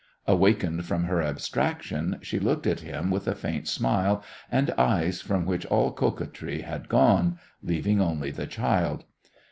Awakened from her abstraction, she looked at him with a faint smile and eyes from which all coquetry had gone, leaving only the child.